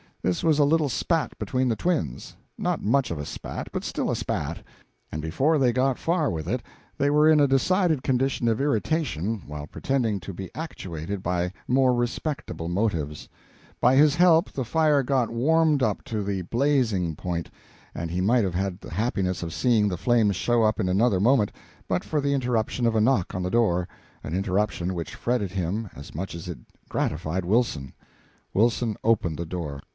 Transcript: This was a little spat between the twins; not much of a spat, but still a spat; and before they got far with it they were in a decided condition of irritation with each other. Tom was charmed; so pleased, indeed, that he cautiously did what he could to increase the irritation while pretending to be actuated by more respectable motives. By his help the fire got warmed up to the blazing point, and he might have had the happiness of seeing the flames show up, in another moment, but for the interruption of a knock on the door an interruption which fretted him as much as it gratified Wilson. Wilson opened the door.